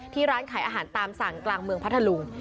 ร้านขายอาหารตามสั่งกลางเมืองพัทธลุง